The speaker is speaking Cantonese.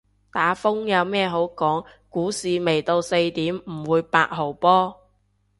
打風有咩好講，股市未到四點唔會八號波